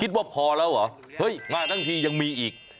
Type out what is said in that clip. คิดว่าพอแล้วเหรอเฮ้ยมาทั้งทียังมีอีก